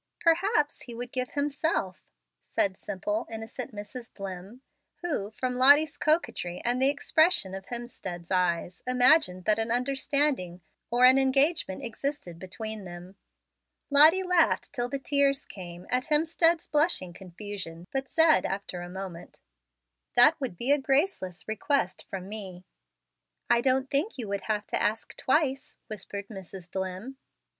"Perhaps he would give himself," said simple, innocent Mrs. Dlimm, who, from Lottie's coquetry and the expression of Hemstead's eyes, imagined that an understanding or an engagement existed between them. Lottie laughed, till the tears came, at Hemstead's blushing confusion, but said after a moment, "That would be a graceless request from me." "I don't think you would have to ask twice," whispered Mrs. Dlimm.